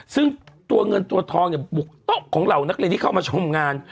ซึ่งตัวเงินตัวทองเนี่ยบุกโต๊ะของเหล่านักเรียนที่เข้ามาชมงาน